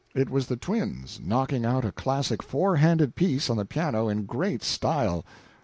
It was the twins knocking out a classic four handed piece on the piano, in great style.